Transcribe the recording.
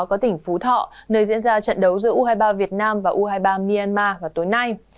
có tỉnh phú thọ nơi diễn ra trận đấu giữa u hai mươi ba việt nam và u hai mươi ba myanmar vào tối nay